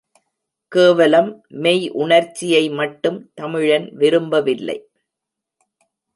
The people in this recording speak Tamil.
கேவலம் மெய் உணர்ச்சியை மட்டும் தமிழன் விரும்பவில்லை.